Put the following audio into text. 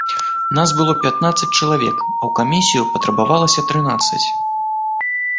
Нас было пятнаццаць чалавек, а ў камісію патрабавалася трынаццаць.